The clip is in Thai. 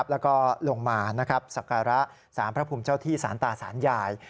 แล้วก็ลงมาสักกระสามพระพุมเจ้าที่สานตาสานใหญ่